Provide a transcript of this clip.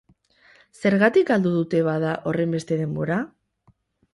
Zergatik galdu dute, bada, horrenbeste denbora?